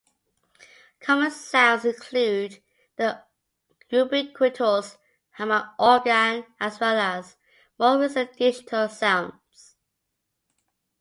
Common sounds include the ubiquitous Hammond organ, as well as more recent digital sounds.